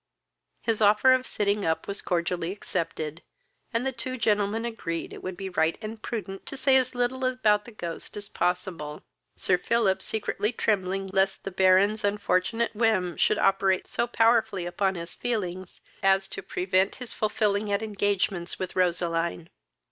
His offer of sitting up was cordially accepted, and the two gentlemen agreed it would be right and prudent to say as little about the ghost as possible, Sir Philip secretly trembling left the Baron's unfortunate whim should operate so powerfully upon his feelings as to prevent his fulfilling at engagements with Roseline.